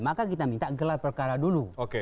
maka kita minta gelar perkara dulu